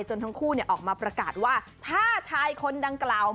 ทั้งคู่ออกมาประกาศว่าถ้าชายคนดังกล่าว